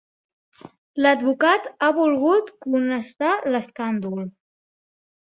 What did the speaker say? L'advocat ha volgut cohonestar l'escàndol.